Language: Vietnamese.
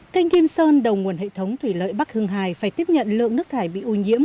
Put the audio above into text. kênh kim sơn đầu nguồn hệ thống thủy lợi bắc hưng hải phải tiếp nhận lượng nước thải bị ô nhiễm